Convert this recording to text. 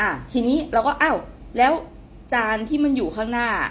อ่าทีนี้เราก็อ้าวแล้วจานที่มันอยู่ข้างหน้า